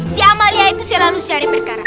si amalia itu selalu cari perkara